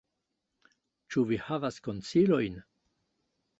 Ĉu vi havas konsilojn?